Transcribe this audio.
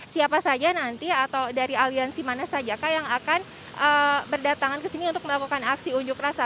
saya nanti atau dari aliansi mana saja yang akan berdatangan kesini untuk melakukan aksi unjuk rasa